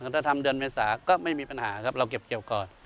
ถ้าทำเดือนเมษาก็ไม่มีปัญหาครับเราเก็บเกี่ยวก่อน